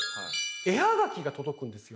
絵はがきが届くんですよ。